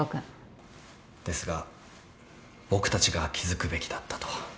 ですが僕たちが気付くべきだったと。